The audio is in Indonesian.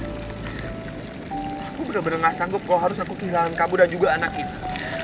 aku bener bener gak sanggup kalau harus aku kehilangan kamu dan juga anak kita